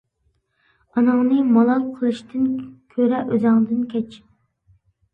ئاناڭنى مالال قىلىشتىن كۆرە ئۆزۈڭدىن كەچ!